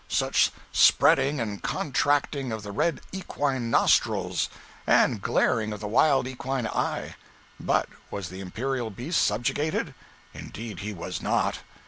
Such spreading and contracting of the red equine nostrils, and glaring of the wild equine eye! But was the imperial beast subjugated? Indeed he was not.